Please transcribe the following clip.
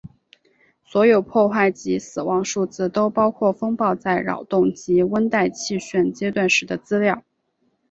所有破坏及死亡数字都包括风暴在扰动及温带气旋阶段时的资料。